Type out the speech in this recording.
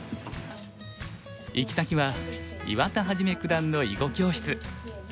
行き先は岩田一九段の囲碁教室。